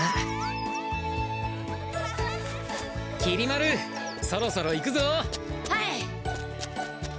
きり丸そろそろ行くぞ。